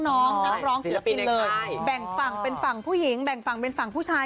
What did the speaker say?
น้องนักร้องศิลปินเลยแบ่งฝั่งเป็นฝั่งผู้หญิงแบ่งฝั่งเป็นฝั่งผู้ชาย